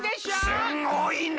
すごいね！